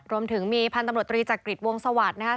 รวมถึงมีที่มีพศคริษย์วงสวัสดิ์บริโรคเมฆ